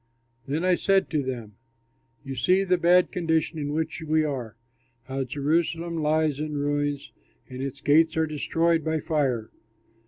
Then I said to them, "You see the bad condition in which we are, how Jerusalem lies in ruins and its gates are destroyed by fire.